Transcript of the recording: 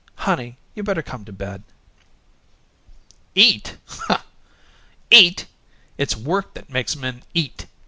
Honey, you better come to bed." "Eat!" he snorted. "Eat! It's work that makes men eat!